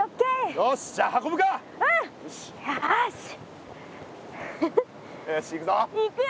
よしいくぞ！